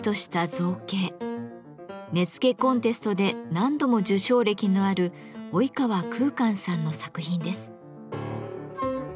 根付コンテストで何度も受賞歴のある及川空観さんの作品です。